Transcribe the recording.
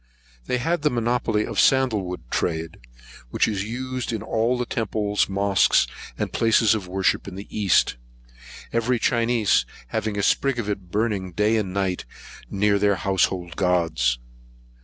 They had the monopoly of the sandlewood trade, which is used in all temples, mosques, and places of worship in the East, every Chinese having a sprig of it burning day and night near their household gods.